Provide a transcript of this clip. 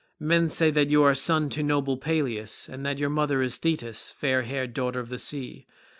Men say that you are son to noble Peleus, and that your mother is Thetis, fair haired daughter of the sea.